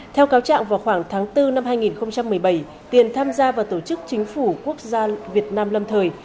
theo cáo trạng vào khoảng tháng bốn năm hai nghìn một mươi bảy tiền tham gia vào tổ chức chính phủ quốc gia việt nam lâm thời